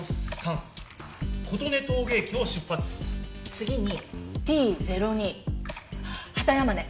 次にＴ０２畑山根。